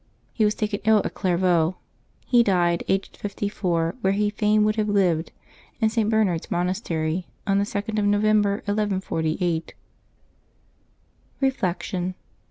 He was taken ill at Clairvaux. He died, aged fifty four, where he fain would have lived, in St. Bernard's monastery, on the 2d of November, 1148. Reflection.